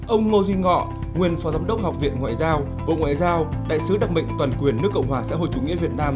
ông ngô duy ngọ nguyên phó giám đốc học viện ngoại giao bộ ngoại giao đại sứ đặc mệnh toàn quyền nước cộng hòa xã hội chủ nghĩa việt nam